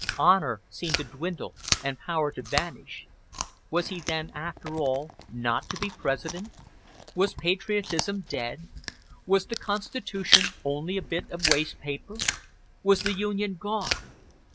Honor seemed to dwindle and power to vanish. Was he then after all not to be President? Was patriotism dead? Was the Constitution only a bit of waste paper? Was the Union gone?